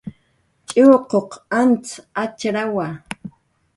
tx'iwquq antz atxrawa